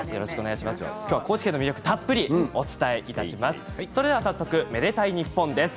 高知県の魅力をたっぷりとお伝えしてまいります。